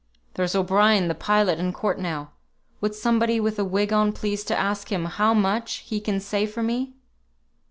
There's O'Brien, the pilot, in court now. Would somebody with a wig on please to ask him how much he can say for me?"